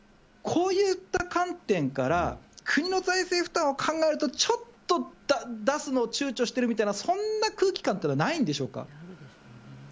こういった観点から、国の財政負担を考えると、ちょっと出すのをちゅうちょしてるみたいな、そんな空気感っていうのは、ないんでしょうか。